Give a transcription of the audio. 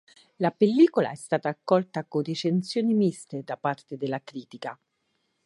La pellicola è stata accolta con recensioni miste da parte della critica.